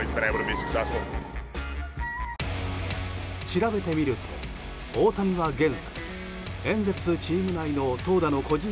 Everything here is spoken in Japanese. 調べてみると大谷は現在エンゼルスチーム内の投打の個人